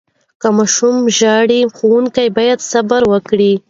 که ماشوم ژاړي، ښوونکي باید صبر وکړي.